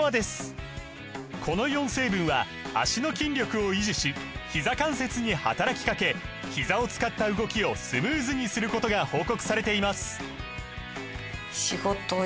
この４成分は脚の筋力を維持しひざ関節に働きかけひざを使った動きをスムーズにすることが報告されています